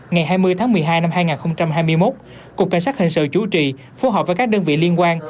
ngày hai mươi tháng một mươi hai năm hai nghìn hai mươi một cục cảnh sát hình sự chủ trì phối hợp với các đơn vị liên quan